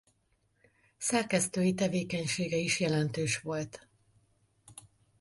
Szerkesztői tevékenysége is jelentős volt.